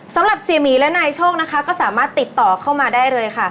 สำหรับเสียหมีและนายโชคนะคะก็สามารถติดต่อเข้ามาได้เลยค่ะ